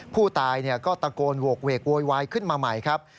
ผู้ตายก็ตะโกนโหกเวกโวยวายขึ้นมาใหม่ครับ